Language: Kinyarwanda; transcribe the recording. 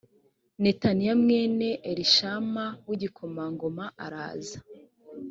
netaniya mwene elishama w igikomangoma araza